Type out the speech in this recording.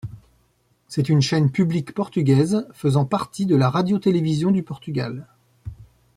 C'est une chaîne publique portugaise faisant partie de la Radio-télévision du Portugal.